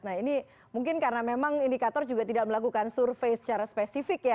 nah ini mungkin karena memang indikator juga tidak melakukan survei secara spesifik ya